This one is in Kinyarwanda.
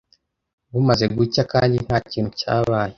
Bumaze gucya kandi ntakintu cyabaye.